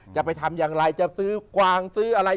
จะไปทำอย่างไรจะซื้อกวางซื้ออะไร